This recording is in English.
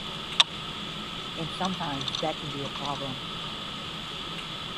And sometimes that can be a problem.